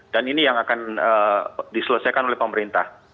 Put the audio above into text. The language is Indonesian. dan ini yang akan diselesaikan oleh pemerintah